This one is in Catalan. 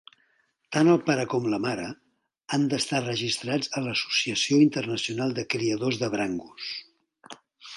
Tant el pare com la mare han d'estar registrats a l'Associació internacional de criadors de Brangus.